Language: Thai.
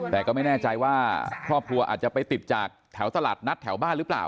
แต่ก็ไม่แน่ใจว่าครอบครัวอาจจะไปติดจากแถวตลาดนัดแถวบ้านหรือเปล่า